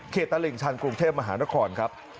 ตลิ่งชันกรุงเทพมหานครครับ